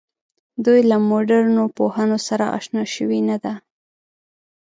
دوی له مډرنو پوهنو سره آشنا شوې نه ده.